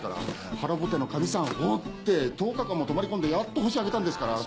腹ぼてのかみさんを放って１０日間も泊まり込んでやっとホシを挙げたんですから。